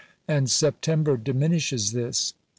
And September diminishes this.